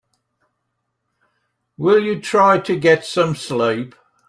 Will you try to get some sleep?